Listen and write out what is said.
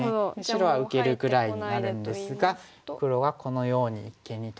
白は受けるくらいになるんですが黒はこのように一間にトビまして。